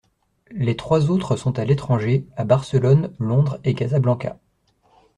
Les trois autres sont à l'étranger, à Barcelone, Londres, et Casablanca.